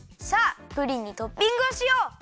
さあプリンにトッピングをしよう！